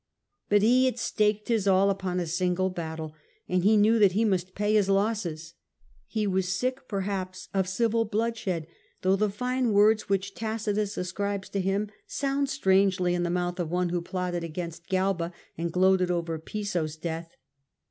But he had staked his all upon a single battle, and he knew that he must pay his losses. He was sick perhaps of civil bloodshed, though the fine words which Tacitus ascribes to him sound K 3 132 The Earlier Empire. a.d. 69. strangely in the mouth of one who plotted against Galba and gloated over Piso^s death.